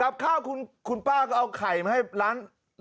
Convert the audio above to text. กับข้าวคุณป้าก็เอาไข่มาให้ร้านรถกับข้าว